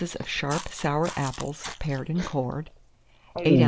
of sharp, sour apples, pared and cored; 8 oz.